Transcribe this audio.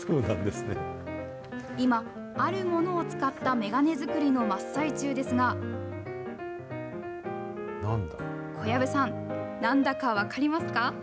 今、あるものを使ったメガネ作りの真っ最中ですが、小籔さん、なんだか分かりますか？